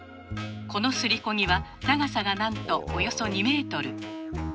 このすりこ木は長さがなんとおよそ２メートル。